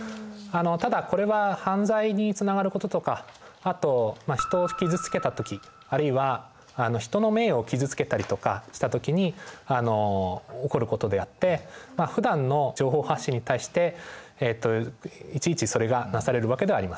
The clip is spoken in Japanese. ただこれは犯罪につながることとかあとまあ人を傷つけた時あるいは人の名誉を傷つけたりとかした時にあの起こることであってふだんの情報発信に対してえっといちいちそれがなされるわけではありません。